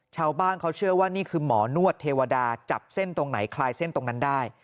ชาวบ้านเขาเชื่อว่านี่คือหมอนวดเทวดาจับเส้นตรงไหนคลายเส้นตรงนั้นได้